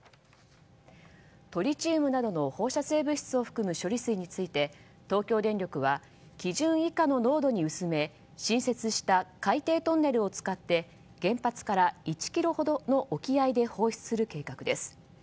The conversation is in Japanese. トリチウムなどの放射性物質を含む処理水について東京電力は基準以下の濃度に薄め新設した海底トンネルを使って原発から１ｋｍほどの沖合で放出する計画です。